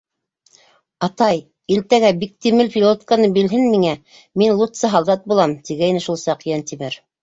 Атай, илтәгә Биктимел пилотканы билһен миңә, мин лутсы һалдат булам! - тигәйне шул саҡ Йәнтимер.